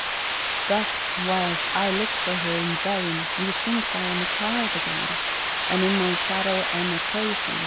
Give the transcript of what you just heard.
" Thus, whUst I look for her in vain, Methinks I am a child again. And of my shadow am a chasing.